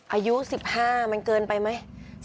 อายุ๑๕มันเกินไปไหม